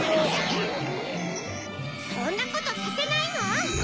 そんなことさせないわ！